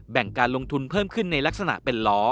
การลงทุนเพิ่มขึ้นในลักษณะเป็นล้อ